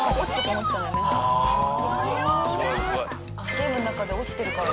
ゲームの中で落ちてるから。